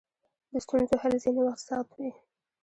د ستونزو حل ځینې وخت سخت وي.